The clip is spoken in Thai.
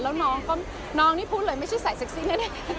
แล้วน้องนี่พูดเลยไม่ใช่สายเซ็กซี่แน่